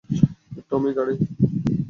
টমি, গাড়ি!